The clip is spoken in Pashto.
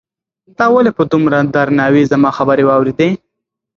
تا ولې په دومره درناوي زما خبرې واورېدې؟